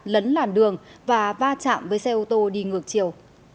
lấn làn đường và va chạm với xe ô tô đi ngược chiều